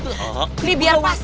ini biar pas